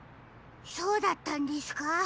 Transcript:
そうだったんですか？